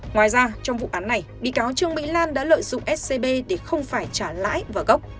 ngoài ra trong vụ án này bị cáo trương mỹ lan đã lợi dụng scb để không phải trả lãi và gốc